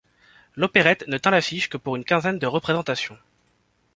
L'opérette ne tint l'affiche que pour une quinzaine de représentations.